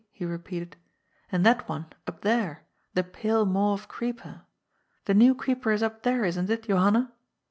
" he repeated, ^' and that one, up there, the pale mauve creeper — ^the new creeper is up there, isn't it, Jo hanna?''